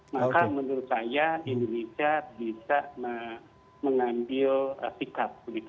maka menurut saya indonesia bisa mengambil sikap